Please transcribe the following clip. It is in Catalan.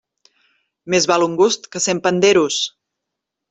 Més val un gust que cent panderos.